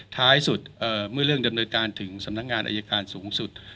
ท้ายสุดเมื่อเรื่องดำเนินการถึงสำนักงานอายการสูงสุด